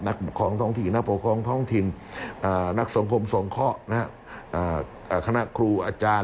ปกครองท้องถิ่นนักปกครองท้องถิ่นนักสงพรมสงเคราะห์คณะครูอาจารย์